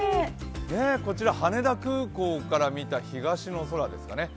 こちら、羽田空港から見た東の空ですかね。